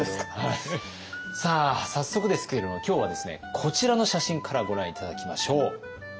さあ早速ですけれども今日はですねこちらの写真からご覧頂きましょう。